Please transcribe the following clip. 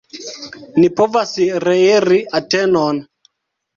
Ni povas reiri Atenon!